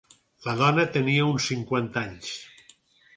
La dona tenia uns cinquanta anys.